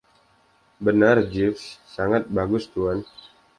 "Benar, Jeeves." "Sangat bagus, tuan."